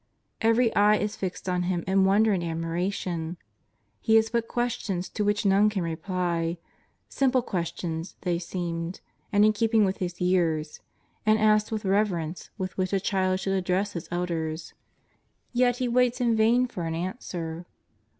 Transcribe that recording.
Every eye is fixed on Him in won der and admiration. He has put questions to which none can reply; simple questions they seemed and in keeping with His years, and asked with the reverence with which a child should address his elders, yet He waits in vain for an answer.